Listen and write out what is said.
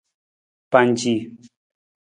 Panci.